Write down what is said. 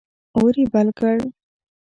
اور یې بل کړ.